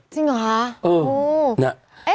จริงเหรอฮะโอ้โหน่ะเอ๊ะ